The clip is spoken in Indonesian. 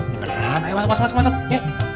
beneran ayo masuk masuk masuk